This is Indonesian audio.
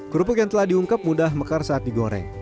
kerupuk yang telah diungkap mudah mekar saat digoreng